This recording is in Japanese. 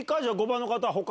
５番の方他。